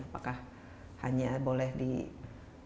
apakah hanya boleh di rumah sakit secara perubatan